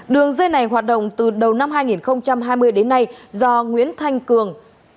đường dây này hoạt động từ đầu năm hai nghìn hai mươi đến nay do nguyễn thanh cường